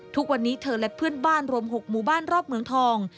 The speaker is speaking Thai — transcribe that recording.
ทุกวันนี้เธอและเพื่อนบ้านรวม๖หมู่บ้านรอบเมืองทอง